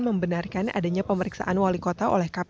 membenarkan adanya pemeriksaan wali kota oleh kpk